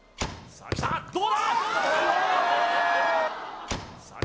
さあきたどうだ？